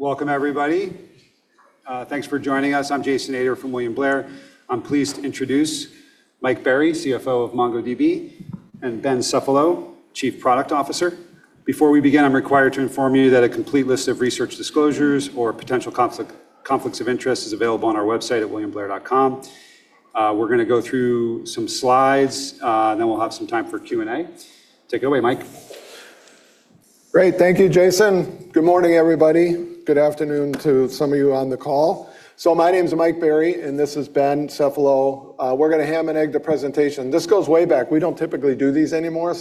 Welcome, everybody. Thanks for joining us. I'm Jason Ader from William Blair. I'm pleased to introduce Mike Berry, CFO of MongoDB, and Benjamin Cefalo, Chief Product Officer. Before we begin, I'm required to inform you that a complete list of research disclosures or potential conflicts of interest is available on our website at williamblair.com. We're going to go through some slides, and then we'll have some time for Q&A. Take it away, Mike. Great. Thank you, Jason. Good morning, everybody. Good afternoon to some of you on the call. My name's Mike Berry, and this is Benjamin Cefalo. We're going to ham and egg the presentation. This goes way back. We don't typically do these anymore,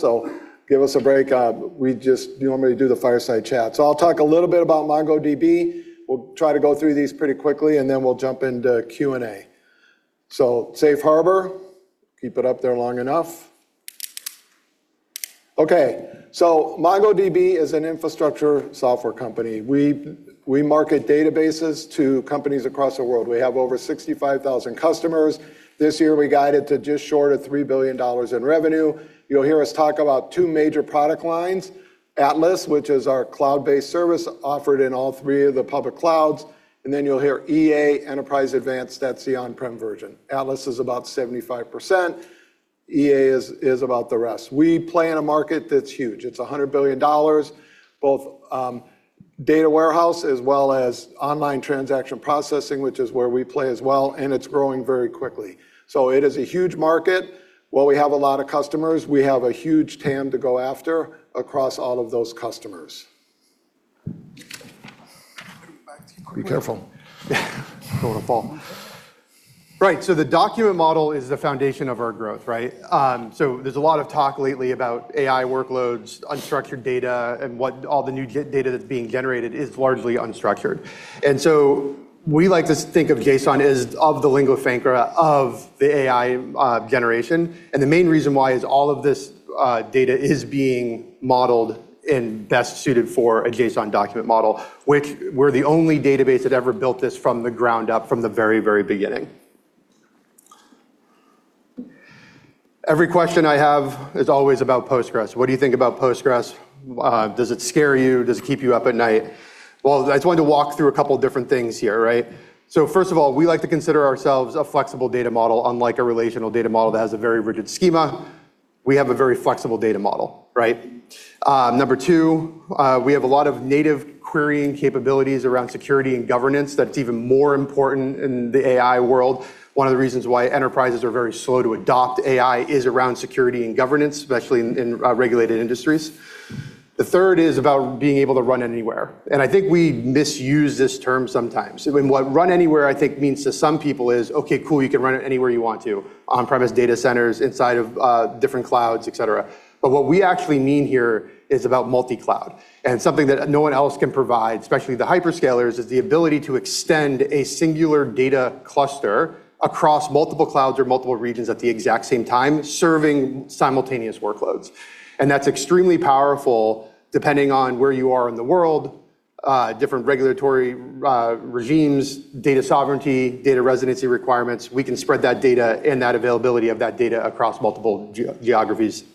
give us a break. We just normally do the fireside chat. I'll talk a little bit about MongoDB. We'll try to go through these pretty quickly, we'll jump into Q&A. Safe harbor, keep it up there long enough. Okay, MongoDB is an infrastructure software company. We market databases to companies across the world. We have over 65,000 customers. This year, we guided to just short of $3 billion in revenue. You'll hear us talk about two major product lines. Atlas, which is our cloud-based service offered in all three of the public clouds, you'll hear EA, Enterprise Advanced. That's the on-prem version. Atlas is about 75%. EA is about the rest. We play in a market that's huge. It's $100 billion, both data warehouse as well as online transaction processing, which is where we play as well, and it's growing very quickly. It is a huge market. While we have a lot of customers, we have a huge TAM to go after across all of those customers. [inaudible] Be careful. Yeah. Don't want to fall. Right. The document model is the foundation of our growth, right? There's a lot of talk lately about AI workloads, unstructured data, and what all the new data that's being generated is largely unstructured. We like to think of JSON as of the lingua franca of the AI generation, and the main reason why is all of this data is being modeled and best suited for a JSON document model, which we're the only database that ever built this from the ground up from the very beginning. Every question I have is always about Postgres. What do you think about Postgres? Does it scare you? Does it keep you up at night? Well, I just wanted to walk through a couple different things here, right? First of all, we like to consider ourselves a flexible data model, unlike a relational data model that has a very rigid schema. We have a very flexible data model, right? Number two, we have a lot of native querying capabilities around security and governance. That's even more important in the AI world. One of the reasons why enterprises are very slow to adopt AI is around security and governance, especially in regulated industries. The third is about being able to run anywhere. I think we misuse this term sometimes. What run anywhere, I think, means to some people is, okay, cool, you can run it anywhere you want to, on-premise data centers, inside of different clouds, et cetera. What we actually mean here is about multi-cloud. Something that no one else can provide, especially the hyperscalers, is the ability to extend a singular data cluster across multiple clouds or multiple regions at the exact same time, serving simultaneous workloads. That's extremely powerful, depending on where you are in the world, different regulatory regimes, data sovereignty, data residency requirements. We can spread that data and that availability of that data across multiple geographies.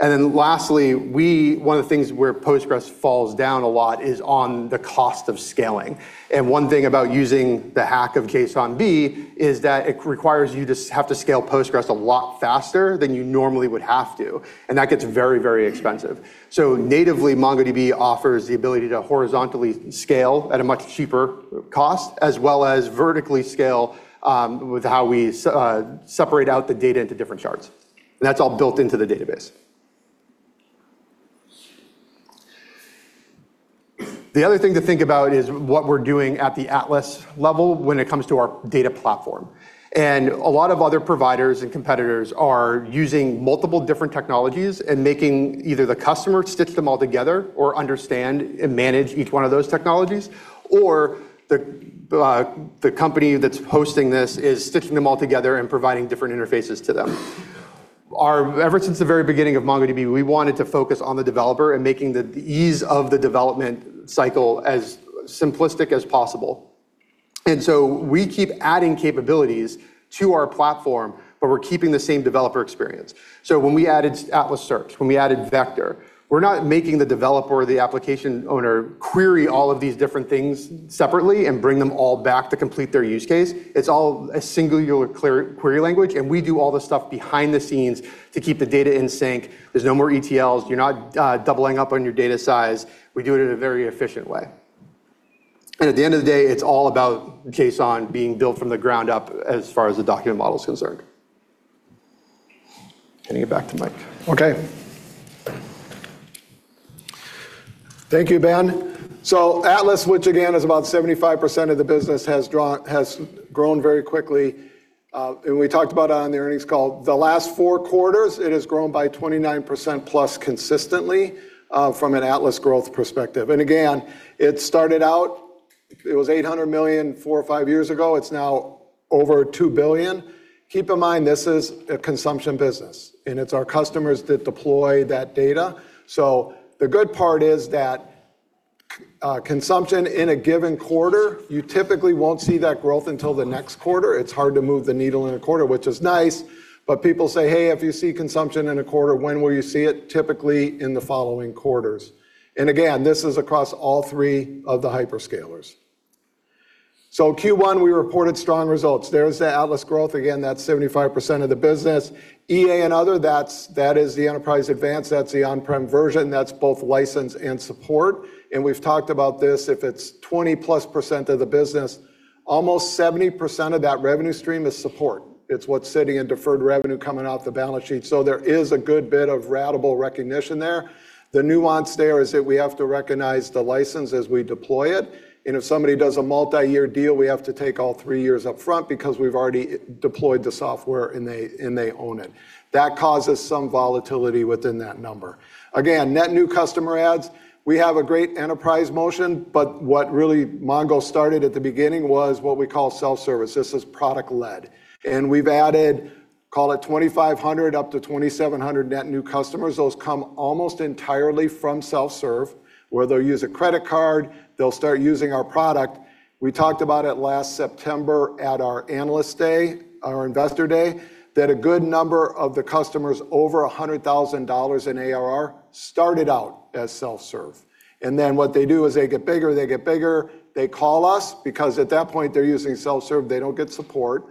Lastly, one of the things where Postgres falls down a lot is on the cost of scaling. One thing about using the hack of JSONB is that it requires you to have to scale Postgres a lot faster than you normally would have to, and that gets very expensive. Natively, MongoDB offers the ability to horizontally scale at a much cheaper cost, as well as vertically scale with how we separate out the data into different shards. That's all built into the database. The other thing to think about is what we're doing at the Atlas level when it comes to our data platform. A lot of other providers and competitors are using multiple different technologies and making either the customer stitch them all together or understand and manage each one of those technologies, or the company that's hosting this is stitching them all together and providing different interfaces to them. Ever since the very beginning of MongoDB, we wanted to focus on the developer and making the ease of the development cycle as simplistic as possible. We keep adding capabilities to our platform, but we're keeping the same developer experience. When we added Atlas Search, when we added Vector, we're not making the developer or the application owner query all of these different things separately and bring them all back to complete their use case. It's all a singular query language, and we do all the stuff behind the scenes to keep the data in sync. There's no more ETLs. You're not doubling up on your data size. We do it in a very efficient way. At the end of the day, it's all about JSON being built from the ground up as far as the document model is concerned. Handing it back to Mike. Thank you, Ben. Atlas, which again is about 75% of the business, has grown very quickly. We talked about it on the earnings call. The last four quarters, it has grown by 29%+ consistently from an Atlas growth perspective. Again, it started out, it was $800 million four or five years ago. It's now over $2 billion. Keep in mind, this is a consumption business, and it's our customers that deploy that data. The good part is that consumption in a given quarter, you typically won't see that growth until the next quarter. It's hard to move the needle in a quarter, which is nice. People say, "Hey, if you see consumption in a quarter, when will you see it?" Typically, in the following quarters. Again, this is across all three of the hyperscalers. Q1, we reported strong results. There's the Atlas growth. That's 75% of the business. EA and other, that is the Enterprise Advanced, that's the on-prem version. That's both license and support. We've talked about this, if it's 20+% of the business, almost 70% of that revenue stream is support. It's what's sitting in deferred revenue coming off the balance sheet. There is a good bit of ratable recognition there. The nuance there is that we have to recognize the license as we deploy it. If somebody does a multi-year deal, we have to take all three years up front because we've already deployed the software and they own it. That causes some volatility within that number. Net new customer adds, we have a great enterprise motion, but what really Mongo started at the beginning was what we call self-service. This is product led. We've added, call it 2,500 up to 2,700 net new customers. Those come almost entirely from self-serve, where they'll use a credit card, they'll start using our product. We talked about it last September at our Investor Day, that a good number of the customers over $100,000 in ARR started out as self-serve. What they do is they get bigger, they get bigger, they call us, because at that point, they're using self-serve, they don't get support,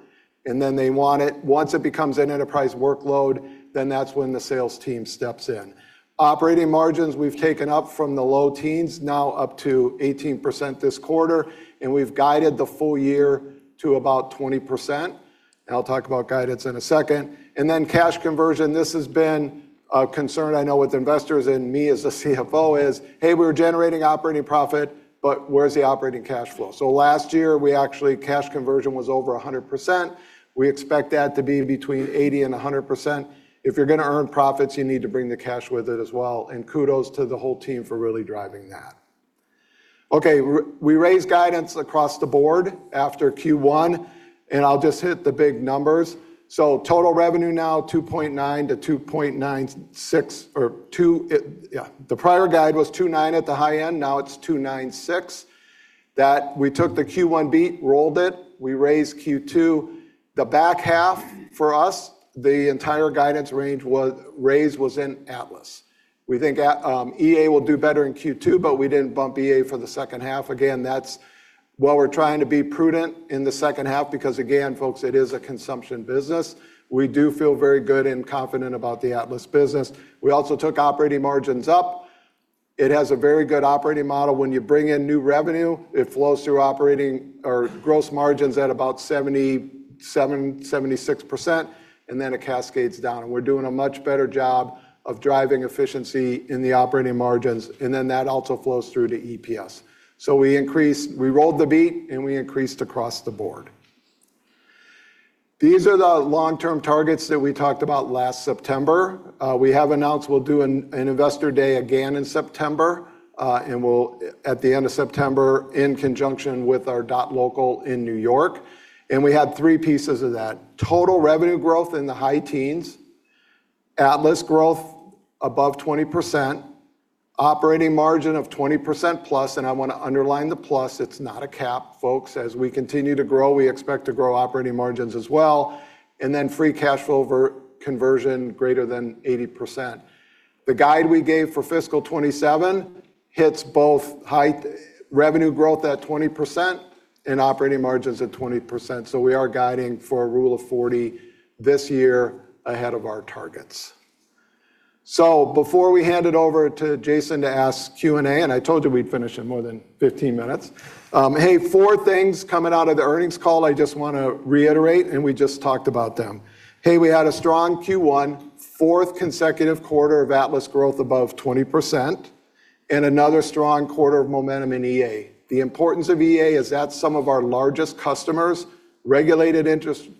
and then they want it. Once it becomes an enterprise workload, then that's when the sales team steps in. Operating margins, we've taken up from the low teens now up to 18% this quarter, and we've guided the full year to about 20%. I'll talk about guidance in a second. Cash conversion. This has been a concern I know with investors and me as the CFO is, "Hey, we're generating operating profit, but where's the operating cash flow?" Last year, actually cash conversion was over 100%. We expect that to be between 80% and 100%. If you're going to earn profits, you need to bring the cash with it as well. Kudos to the whole team for really driving that. We raised guidance across the board after Q1, and I'll just hit the big numbers. Total revenue now $2.9-$2.96. Yeah, the prior guide was $2.9 at the high end, now it's $2.96. That we took the Q1 beat, rolled it, we raised Q2. The back half for us, the entire guidance range raise was in Atlas. We think EA will do better in Q2, but we didn't bump EA for the second half. That's while we're trying to be prudent in the second half because again, folks, it is a consumption business. We do feel very good and confident about the Atlas business. We also took operating margins up. It has a very good operating model. When you bring in new revenue, it flows through operating or gross margins at about 76%, then it cascades down. We're doing a much better job of driving efficiency in the operating margins, then that also flows through to EPS. We rolled the beat, we increased across the board. These are the long-term targets that we talked about last September. We have announced we'll do an Investor Day again in September, at the end of September in conjunction with our .local in N.Y. We had three pieces of that. Total revenue growth in the high teens, Atlas growth above 20%, operating margin of 20%+. I want to underline the plus, it's not a cap, folks. As we continue to grow, we expect to grow operating margins as well. Free cash flow conversion greater than 80%. The guide we gave for fiscal 2027 hits both revenue growth at 20% and operating margins at 20%. We are guiding for a rule of 40 this year ahead of our targets. Before we hand it over to Jason to ask Q&A. I told you we'd finish in more than 15 minutes. Hey, four things coming out of the earnings call. I just want to reiterate. We just talked about them. Hey, we had a strong Q1, fourth consecutive quarter of Atlas growth above 20%. Another strong quarter of momentum in EA. The importance of EA is that some of our largest customers, regulated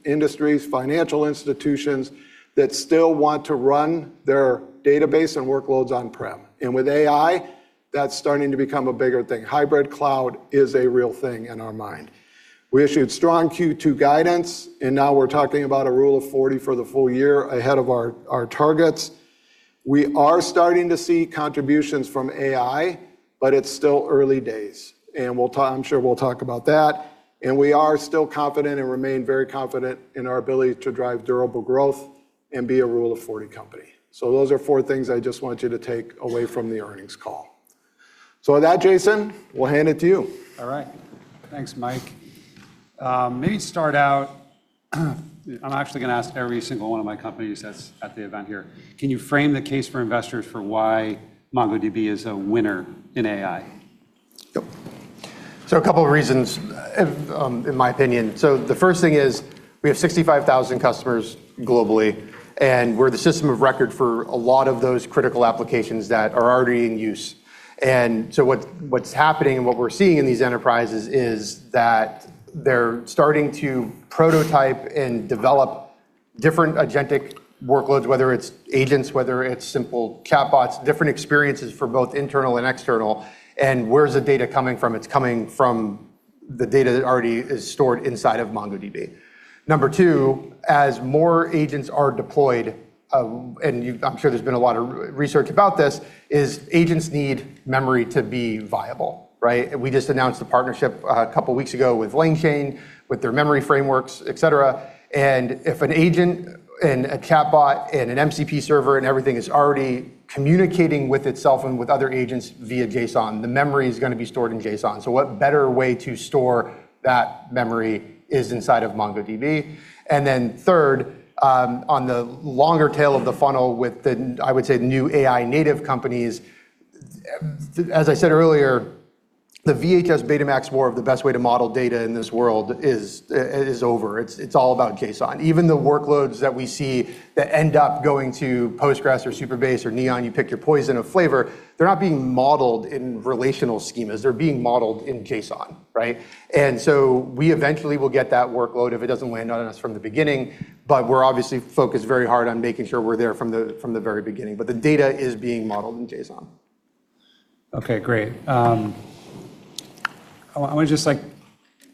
industries, financial institutions, that still want to run their database and workloads on-prem. With AI, that's starting to become a bigger thing. Hybrid cloud is a real thing in our mind. We issued strong Q2 guidance, and now we're talking about a rule of 40 for the full year ahead of our targets. We are starting to see contributions from AI, but it's still early days, and I'm sure we'll talk about that, and we are still confident and remain very confident in our ability to drive durable growth and be a rule of 40 company. Those are four things I just want you to take away from the earnings call. With that, Jason, we'll hand it to you. All right. Thanks, Mike. Maybe start out, I'm actually going to ask every single one of my companies that's at the event here. Can you frame the case for investors for why MongoDB is a winner in AI? Yep. A couple of reasons, in my opinion. The first thing is we have 65,000 customers globally, and we're the system of record for a lot of those critical applications that are already in use. What's happening and what we're seeing in these enterprises is that they're starting to prototype and develop different agentic workloads, whether it's agents, whether it's simple chatbots, different experiences for both internal and external. Where's the data coming from? It's coming from the data that already is stored inside of MongoDB. Number two, as more agents are deployed, and I'm sure there's been a lot of research about this, is agents need memory to be viable, right? We just announced a partnership a couple of weeks ago with LangChain, with their memory frameworks, et cetera. If an agent and a chatbot and an MCP server and everything is already communicating with itself and with other agents via JSON, the memory is going to be stored in JSON. What better way to store that memory is inside of MongoDB. Then third, on the longer tail of the funnel with the, I would say, new AI native companies As I said earlier, the VHS Betamax war of the best way to model data in this world is over. It's all about JSON. Even the workloads that we see that end up going to Postgres or Supabase or Neon, you pick your poison of flavor, they're not being modeled in relational schemas. They're being modeled in JSON. Right? We eventually will get that workload if it doesn't land on us from the beginning, but we're obviously focused very hard on making sure we're there from the very beginning. The data is being modeled in JSON. Okay, great. I want to just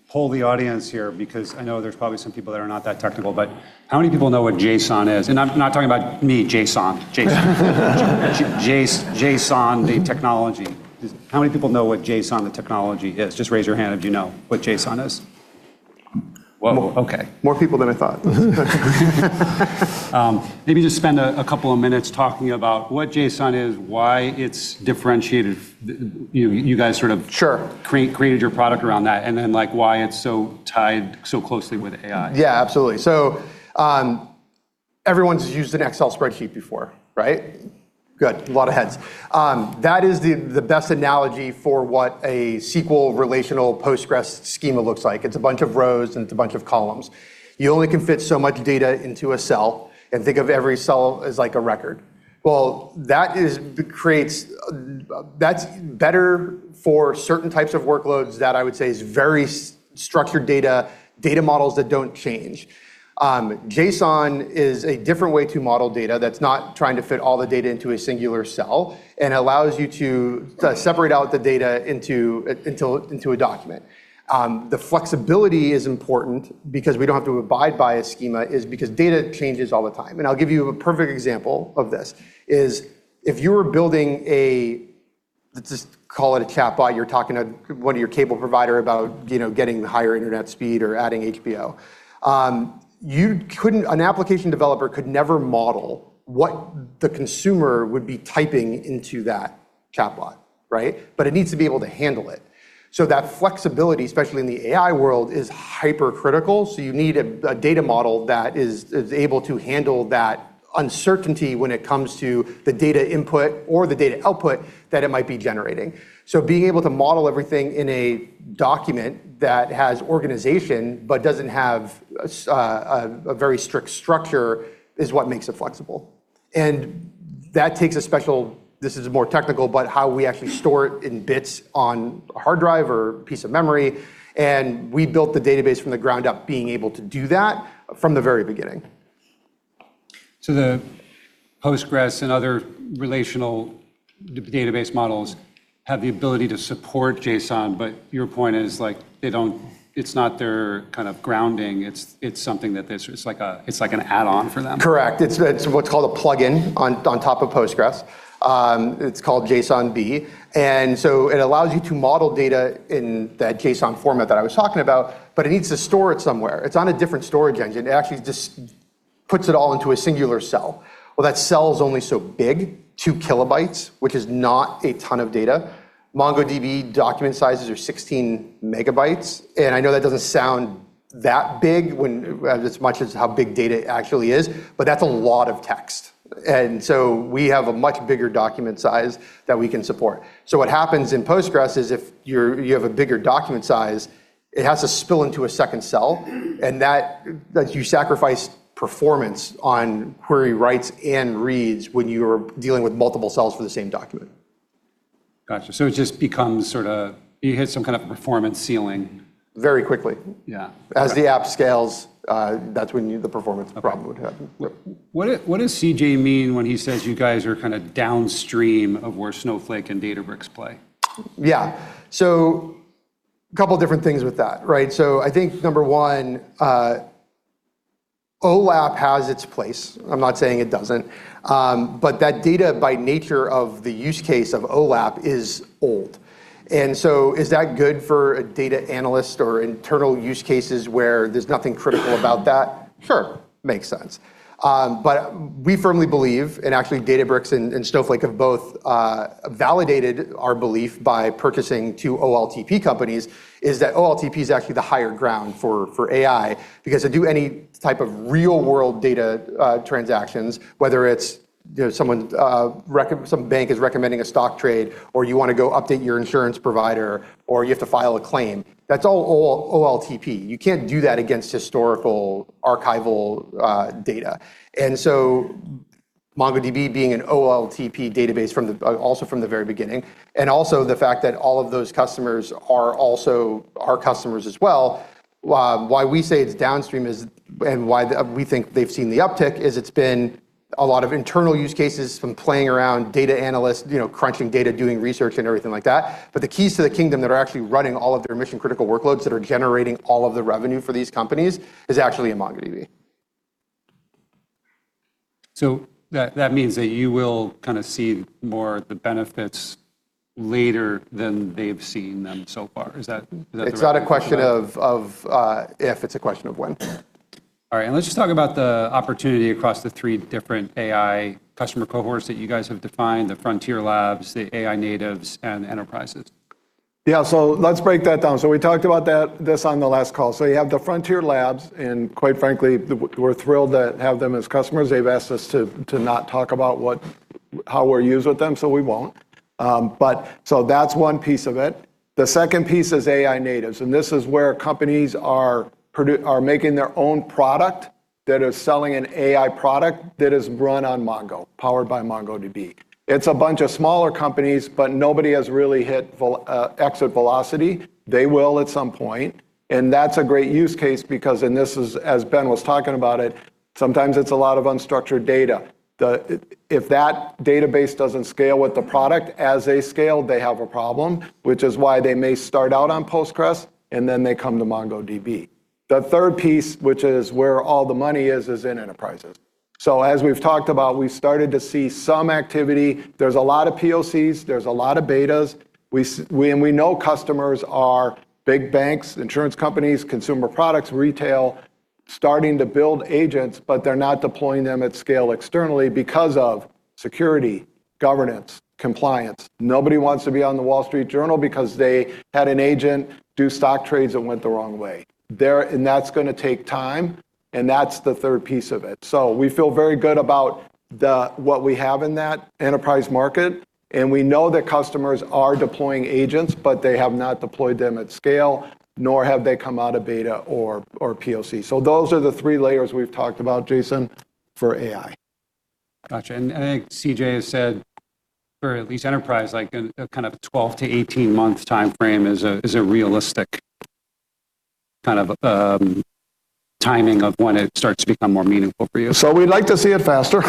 poll the audience here because I know there's probably some people that are not that technical, but how many people know what JSON is? I'm not talking about me, Jason. JSON, the technology. How many people know what JSON the technology is? Just raise your hand if you know what JSON is. Whoa, okay. More people than I thought. Maybe just spend a couple of minutes talking about what JSON is, why it's differentiated. Sure created your product around that, and then why it's so tied so closely with AI. Yeah, absolutely. Everyone's used an Excel spreadsheet before, right? Good. A lot of heads. That is the best analogy for what a SQL relational Postgres schema looks like. It's a bunch of rows and it's a bunch of columns. You only can fit so much data into a cell, and think of every cell as like a record. Well, that's better for certain types of workloads that I would say is very structured data models that don't change. JSON is a different way to model data that's not trying to fit all the data into a singular cell and allows you to separate out the data into a document. The flexibility is important because we don't have to abide by a schema is because data changes all the time. I'll give you a perfect example of this, is if you were building a, let's just call it a chatbot, you're talking to one of your cable provider about getting higher internet speed or adding HBO. An application developer could never model what the consumer would be typing into that chatbot, right? It needs to be able to handle it. That flexibility, especially in the AI world, is hypercritical. You need a data model that is able to handle that uncertainty when it comes to the data input or the data output that it might be generating. Being able to model everything in a document that has organization but doesn't have a very strict structure is what makes it flexible. That takes a special, this is more technical, but how we actually store it in bits on a hard drive or piece of memory, and we built the database from the ground up, being able to do that from the very beginning. The Postgres and other relational database models have the ability to support JSON, but your point is it's not their kind of grounding, it's like an add-on for them? Correct. It's what's called a plugin on top of Postgres. It's called JSONB, and so it allows you to model data in that JSON format that I was talking about, but it needs to store it somewhere. It's on a different storage engine. It actually just puts it all into a singular cell. Well, that cell is only so big, 2 KBs, which is not a ton of data. MongoDB document sizes are 16 MBs, and I know that doesn't sound that big as how big data actually is, but that's a lot of text. We have a much bigger document size that we can support. What happens in Postgres is if you have a bigger document size, it has to spill into a second cell, and you sacrifice performance on query writes and reads when you're dealing with multiple cells for the same document. Got you. You hit some kind of performance ceiling. Very quickly. Yeah. As the app scales, that's when the performance problem would happen. What does CJ mean when he says you guys are kind of downstream of where Snowflake and Databricks play? A couple different things with that. I think number one, OLAP has its place. I'm not saying it doesn't. That data by nature of the use case of OLAP is old. Is that good for a data analyst or internal use cases where there's nothing critical about that? Sure. Makes sense. We firmly believe, and actually Databricks and Snowflake have both validated our belief by purchasing two OLTP companies, is that OLTP is actually the higher ground for AI because to do any type of real-world data transactions, whether it's some bank is recommending a stock trade, or you want to go update your insurance provider, or you have to file a claim, that's all OLTP. You can't do that against historical archival data. MongoDB being an OLTP database also from the very beginning, and also the fact that all of those customers are also our customers as well. Why we say it's downstream and why we think they've seen the uptick is it's been a lot of internal use cases from playing around data analysts, crunching data, doing research and everything like that. The keys to the kingdom that are actually running all of their mission-critical workloads that are generating all of the revenue for these companies is actually MongoDB. That means that you will see more the benefits later than they've seen them so far. Is that the right way to put it? It's not a question of if, it's a question of when. All right. Let's just talk about the opportunity across the three different AI customer cohorts that you guys have defined, the frontier labs, the AI natives, and enterprises. Yeah. Let's break that down. We talked about this on the last call. You have the frontier labs, and quite frankly, we're thrilled to have them as customers. They've asked us to not talk about how we're used with them, so we won't. That's one piece of it. The second piece is AI natives, and this is where companies are making their own product, that is selling an AI product that is run on Mongo, powered by MongoDB. It's a bunch of smaller companies, but nobody has really hit exit velocity. They will at some point, and that's a great use case because, and this is as Ben was talking about it, sometimes it's a lot of unstructured data. If that database doesn't scale with the product, as they scale, they have a problem, which is why they may start out on Postgres and then they come to MongoDB. The third piece, which is where all the money is in enterprises. As we've talked about, we started to see some activity. There's a lot of POCs, there's a lot of betas. We know customers are big banks, insurance companies, consumer products, retail, starting to build agents, but they're not deploying them at scale externally because of security, governance, compliance. Nobody wants to be on The Wall Street Journal because they had an agent do stock trades that went the wrong way. That's going to take time, and that's the third piece of it. We feel very good about what we have in that enterprise market, and we know that customers are deploying agents, but they have not deployed them at scale, nor have they come out of beta or POC. Those are the three layers we've talked about, Jason, for AI. Got you. I think CJ has said, for at least enterprise, a kind of 12- to 18-month timeframe is a realistic kind of timing of when it starts to become more meaningful for you. We'd like to see it faster.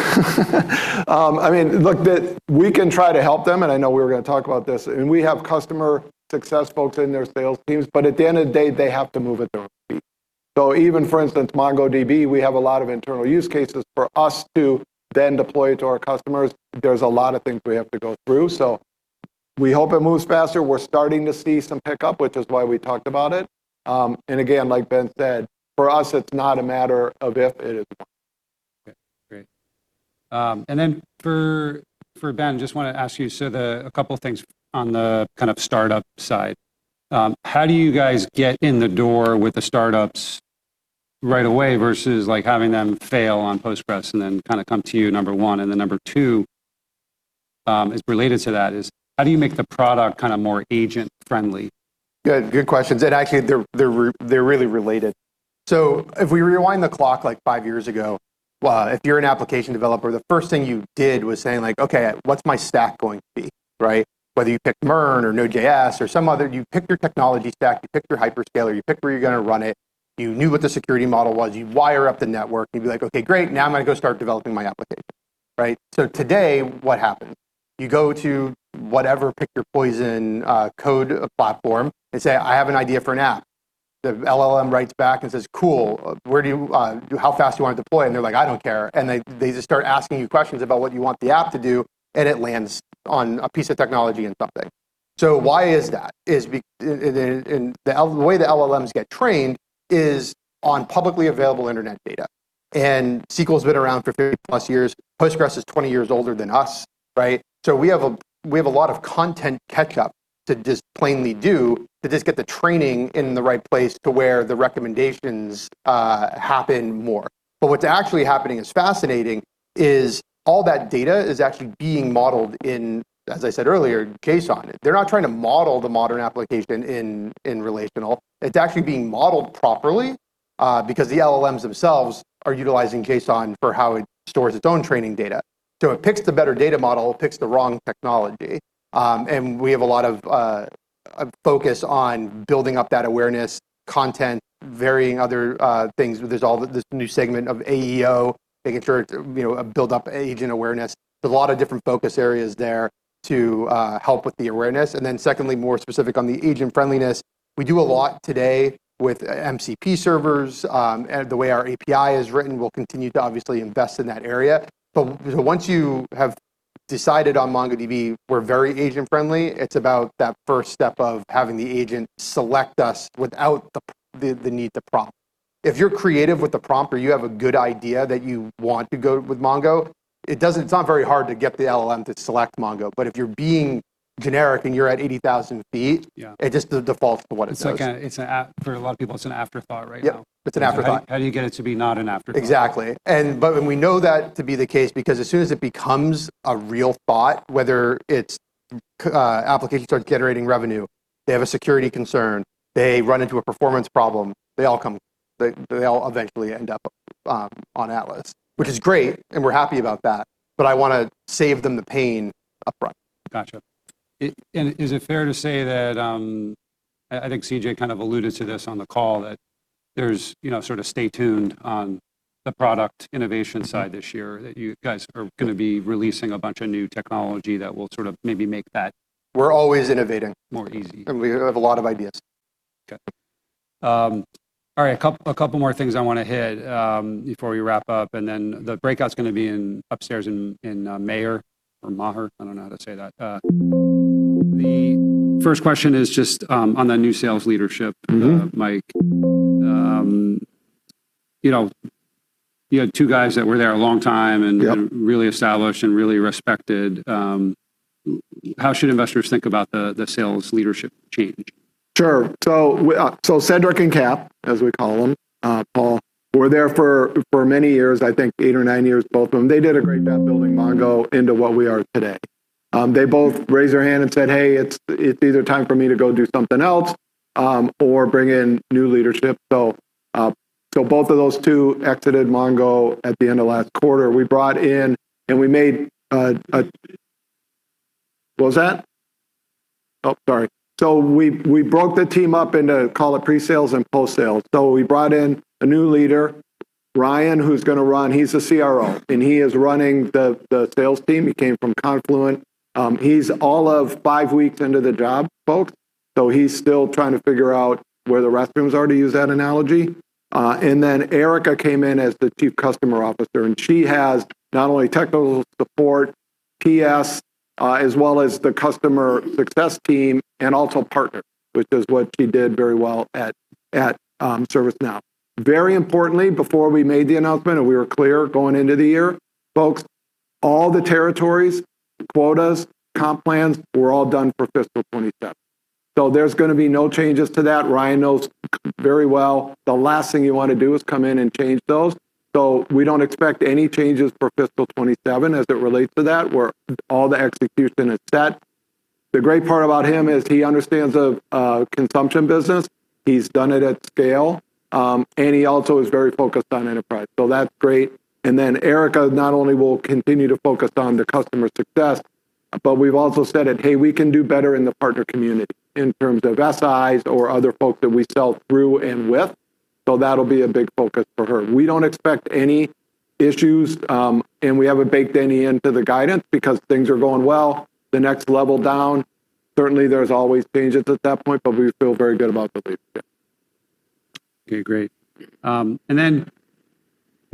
Look, we can try to help them, and I know we were going to talk about this, and we have customer success folks in their sales teams, but at the end of the day, they have to move at their own speed. Even, for instance, MongoDB, we have a lot of internal use cases for us to then deploy to our customers. There's a lot of things we have to go through. We hope it moves faster. We're starting to see some pickup, which is why we talked about it. Again, like Ben said, for us, it's not a matter of if, it is when. Okay, great. For Ben, just want to ask you a couple of things on the kind of startup side. How do you guys get in the door with the startups right away versus having them fail on Postgres and then kind of come to you, number one? Number two, is related to that, how do you make the product more agent-friendly? Good questions, actually, they're really related. If we rewind the clock five years ago, if you're an application developer, the first thing you did was saying, "Okay, what's my stack going to be?" Right. Whether you pick Node.js or some other, you pick your technology stack, you pick your hyperscaler, you pick where you're going to run it. You knew what the security model was. You wire up the network and you'd be like, "Okay, great. Now I'm going to go start developing my application." Right. Today, what happens? You go to whatever pick your poison code platform and say, "I have an idea for an app." The LLM writes back and says, "Cool. How fast do you want to deploy?" They're like, "I don't care." They just start asking you questions about what you want the app to do, and it lands on a piece of technology and something. Why is that? The way the LLMs get trained is on publicly available internet data, and SQL's been around for 30+ years. Postgres is 20 years older than us, right? We have a lot of content catch-up to just plainly do to just get the training in the right place to where the recommendations happen more. What's actually happening is fascinating, is all that data is actually being modeled in, as I said earlier, JSON. They're not trying to model the modern application in relational. It's actually being modeled properly, because the LLMs themselves are utilizing JSON for how it stores its own training data. It picks the better data model, picks the wrong technology. We have a lot of focus on building up that awareness, content, varying other things. There's all this new segment of AEO, making sure to build up agent awareness. There's a lot of different focus areas there to help with the awareness. Secondly, more specific on the agent friendliness, we do a lot today with MCP servers. The way our API is written, we'll continue to obviously invest in that area. Once you have decided on MongoDB, we're very agent friendly. It's about that first step of having the agent select us without the need to prompt. If you're creative with the prompt or you have a good idea that you want to go with Mongo, it's not very hard to get the LLM to select Mongo. If you're being generic and you're at 80,000 ft. Yeah it just defaults to what it does. For a lot of people, it's an afterthought right now. Yeah. It's an afterthought. How do you get it to be not an afterthought? Exactly. We know that to be the case, because as soon as it becomes a real thought, whether it's application starts generating revenue, they have a security concern, they run into a performance problem, they all eventually end up on Atlas. Which is great, and we're happy about that, but I want to save them the pain upfront. Got you. Is it fair to say that, I think CJ kind of alluded to this on the call, that there's sort of stay tuned on the product innovation side this year, that you guys are going to be releasing a bunch of new technology. We're always innovating. more easy. We have a lot of ideas. Okay. All right. A couple more things I want to hit before we wrap up. The breakout's going to be upstairs in Maher, or Maher. I don't know how to say that. The first question is just on the new sales leadership- You had two guys that were there a long time. Really established and really respected. How should investors think about the sales leadership change? Sure. Cedric and Cap, as we call them, Paul, were there for many years, I think eight or nine years, both of them. They did a great job building Mongo into what we are today. They both raised their hand and said, "Hey, it's either time for me to go do something else or bring in new leadership." Both of those two exited Mongo at the end of last quarter. What was that? Oh, sorry. We broke the team up into call it pre-sales and post-sales. We brought in a new leader, Ryan, who's going to run. He's a CRO, and he is running the sales team. He came from Confluent. He's all of five weeks into the job, folks, so he's still trying to figure out where the restrooms are, to use that analogy. Erica came in as the Chief Customer Officer, and she has not only technical support, PS, as well as the customer success team, and also partners, which is what she did very well at ServiceNow. Very importantly, before we made the announcement, we were clear going into the year, folks, all the territories, quotas, comp plans were all done for fiscal 2027. There's going to be no changes to that. Ryan knows very well the last thing you want to do is come in and change those. We don't expect any changes for fiscal 2027 as it relates to that, where all the execution is set. The great part about him is he understands the consumption business. He's done it at scale. He also is very focused on enterprise, so that's great. Erica not only will continue to focus on the customer success, but we've also said that, hey, we can do better in the partner community in terms of SIs or other folks that we sell through and with. That'll be a big focus for her. We don't expect any issues, and we haven't baked any into the guidance because things are going well. The next level down, certainly there's always changes at that point, but we feel very good about the leadership. Okay, great.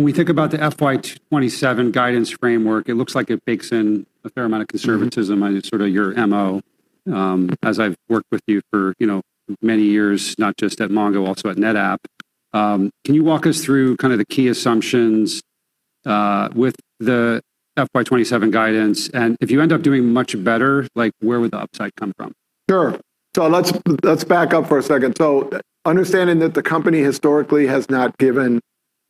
When we think about the FY 2027 guidance framework, it looks like it bakes in a fair amount of conservatism, and it's sort of your MO, as I've worked with you for many years, not just at Mongo, also at NetApp. Can you walk us through kind of the key assumptions with the FY 2027 guidance, and if you end up doing much better, where would the upside come from? Sure. Let's back up for a second. Understanding that the company historically has not given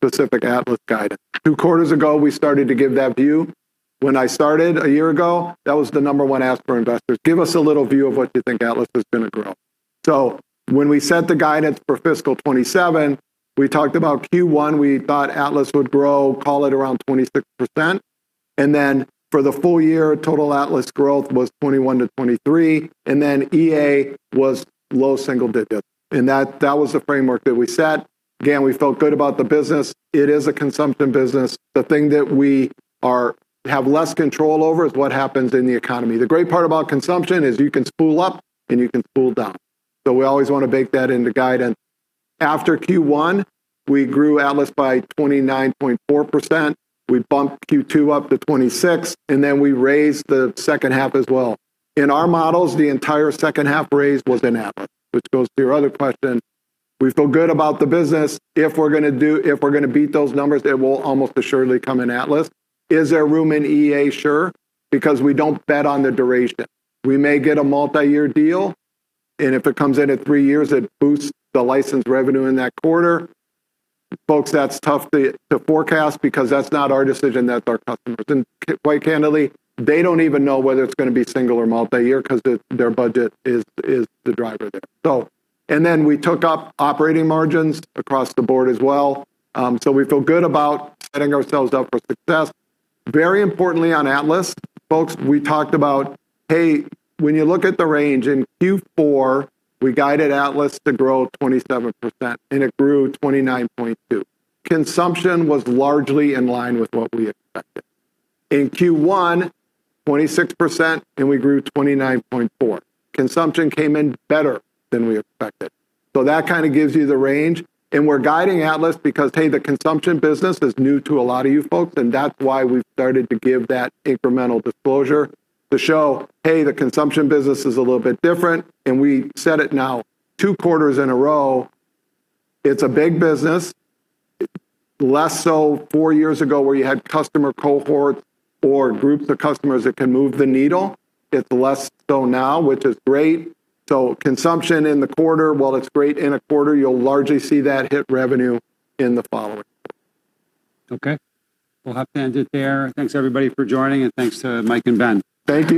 specific Atlas guidance. Two quarters ago, we started to give that view. When I started a year ago, that was the number one ask for investors. Give us a little view of what you think Atlas is going to grow. When we set the guidance for fiscal 2027, we talked about Q1. We thought Atlas would grow, call it around 26%. For the full year, total Atlas growth was 21%-23%, and then EA was low single digits. That was the framework that we set. Again, we felt good about the business. It is a consumption business. The thing that we have less control over is what happens in the economy. The great part about consumption is you can spool up and you can spool down. We always want to bake that into guidance. After Q1, we grew Atlas by 29.4%. We bumped Q2 up to 26%, we raised the second half as well. In our models, the entire second-half raise was in Atlas, which goes to your other question. We feel good about the business. If we're going to beat those numbers, it will almost assuredly come in Atlas. Is there room in EA? Sure, because we don't bet on the duration. We may get a multi-year deal, if it comes in at 3 years, it boosts the licensed revenue in that quarter. Folks, that's tough to forecast because that's not our decision, that's our customers. Quite candidly, they don't even know whether it's going to be single or multi-year because their budget is the driver there. We took up operating margins across the board as well. We feel good about setting ourselves up for success. Very importantly on Atlas, folks, we talked about, hey, when you look at the range, in Q4, we guided Atlas to grow 27%, and it grew 29.2%. Consumption was largely in line with what we expected. In Q1, 26%, and we grew 29.4%. Consumption came in better than we expected. That kind of gives you the range, and we're guiding Atlas because, hey, the consumption business is new to a lot of you folks, and that's why we started to give that incremental disclosure to show, hey, the consumption business is a little bit different, and we said it now two quarters in a row. It's a big business. Less so four years ago, where you had customer cohorts or groups of customers that can move the needle. It's less so now, which is great. Consumption in the quarter, while it's great in a quarter, you'll largely see that hit revenue in the following. Okay. We'll have to end it there. Thanks everybody for joining, and thanks to Mike and Ben. Thank you.